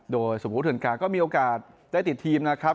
โดยสมมุติเถินกาก็มีโอกาสได้ติดทีมนะครับ